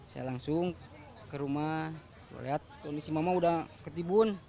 saya langsung ke rumah lihat kondisi mama udah ketibun